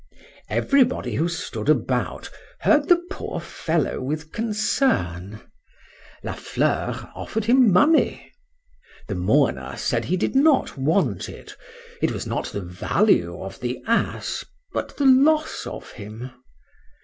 Every body who stood about, heard the poor fellow with concern.—La Fleur offered him money.—The mourner said he did not want it;—it was not the value of the ass—but the loss of him.